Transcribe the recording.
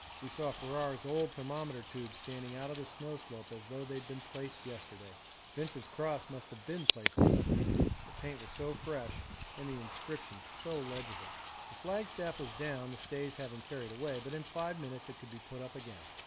We saw Ferrar's old thermometer tubes standing out of the snow slope as though they'd been placed yesterday. Vince's cross might have been placed yesterday the paint was so fresh and the inscription so legible. The flagstaff was down, the stays having carried away, but in five minutes it could be put up again.